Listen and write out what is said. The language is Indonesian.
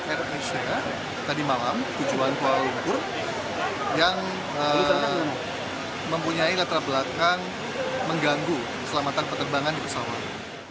air asia tadi malam tujuan kuala lumpur yang mempunyai latar belakang mengganggu keselamatan penerbangan di pesawat